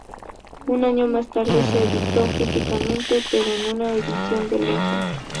Un año más tarde se editó físicamente, pero en una edición de lujo.